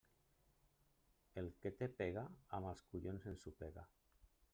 El que té pega, amb els collons ensopega.